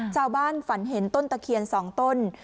เจ้าบ้านฝันเห็นต้นตะเคียน๒ต้น